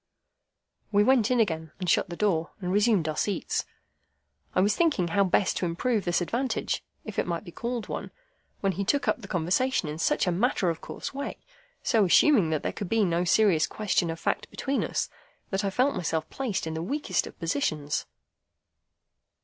We went in again, shut the door, and resumed our seats. I was thinking how best to improve this advantage, if it might be called one, when he took up the conversation in such a matter of course way, so assuming that there could be no serious question of fact between us, that I felt myself placed in the weakest of positions.